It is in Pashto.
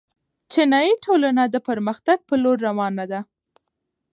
چینايي ټولنه د پرمختګ په لور روانه ده.